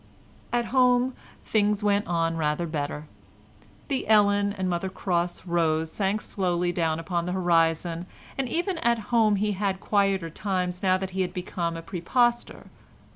At home things went on rather better; the Ellen and Mother Cross rows sank slowly down upon the horizon, and even at home he had quieter times now that he had become a præpostor.